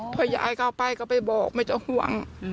พอยายเข้าไปก็ไปบอกไม่ต้องห่วง